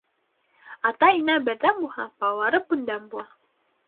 Ата-инә берҙәм булһа, балалары күндәм була.